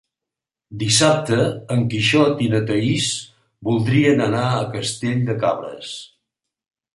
Dissabte en Quixot i na Thaís voldrien anar a Castell de Cabres.